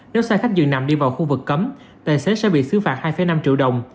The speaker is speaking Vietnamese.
nếu xe khách dường nằm đi vào khu vực cấm tài xế sẽ bị xứ phạt hai năm triệu đồng